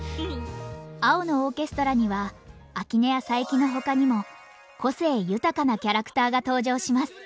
「青のオーケストラ」には秋音や佐伯の他にも個性豊かなキャラクターが登場します。